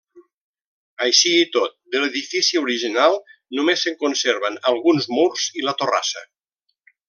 Així i tot, de l'edifici original només se'n conserven alguns murs i la torrassa.